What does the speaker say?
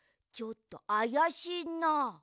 ちょっとあやしいなあ。